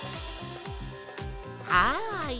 はい。